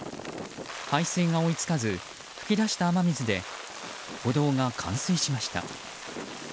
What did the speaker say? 排水が追い付かず噴き出した雨水で歩道が冠水しました。